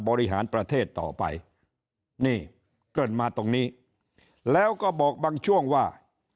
บริหารประเทศต่อไปนี่เกริ่นมาตรงนี้แล้วก็บอกบางช่วงว่า